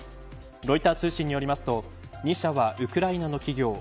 ロイター通信よりますと２社はウクライナの企業